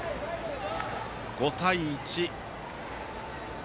５対１。